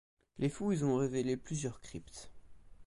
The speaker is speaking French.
Les fouilles ont révélé plusieurs cryptes.